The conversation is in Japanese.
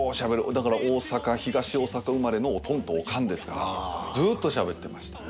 だから東大阪生まれのおとんとおかんですからずっとしゃべってました。